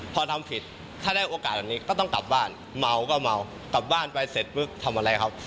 พอทำผิดถ้าได้โอกาสแบบนี้ก็ต้องกลับบ้านเมาก็เมากลับบ้านไปเสร็จปุ๊บทำอะไรครับ